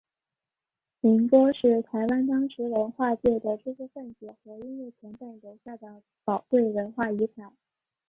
民歌是台湾当时文化界的知识份子和音乐前辈留下的宝贵的文化遗产。